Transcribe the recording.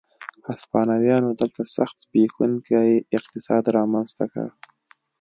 هسپانویانو دلته سخت زبېښونکی اقتصاد رامنځته کړ.